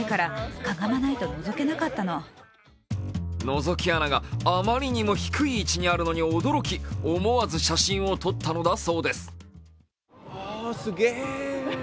のぞき穴があまりにも低い位置にあるのに驚き思わず写真を撮ったのだそうです。